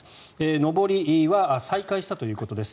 上りは再開したということです。